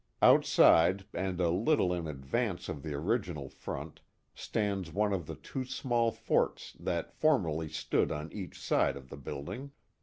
Outside, and a little in advance of the original front, stands one of the two small forts that formerly stood on each side of the building.